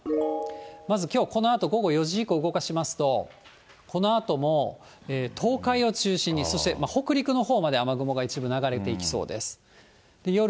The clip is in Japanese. まずきょう、このあと午後４時以降動かしますと、このあとも東海を中心にそして、北陸のほうまで雨雲が一部流れていきそうです。